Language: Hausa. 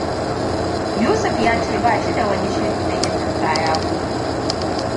Yusuf ya ce bashi da wani shiri na yin ninkaya gobe.